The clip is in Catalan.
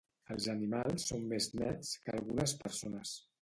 Els animals són més nets que algunes persones